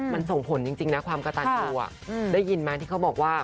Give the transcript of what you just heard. มันส่งผลจริงนะความกระตันยูได้ยินไหมที่เขาบอกว่า